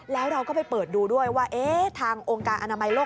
แล้วเราก็ไปเปิดดูด้วยว่าทางองค์การอนามัยโลก